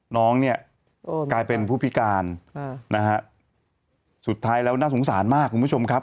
น้องเนี่ยกลายเป็นผู้พิการนะฮะสุดท้ายแล้วน่าสงสารมากคุณผู้ชมครับ